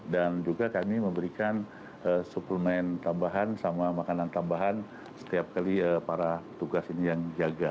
dan juga kami memberikan suplemen tambahan sama makanan tambahan setiap kali para petugas ini yang jaga